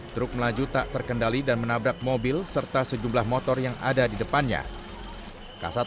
truk melaju tak terkendali dan menabrak mobil serta sejumlah motor yang ada di depannya kasat